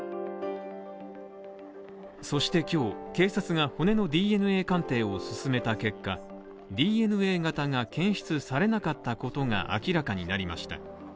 そして今日、警察が骨のＤＮＡ鑑定を進めた結果、ＤＮＡ型が検出されなかったことが明らかになりました。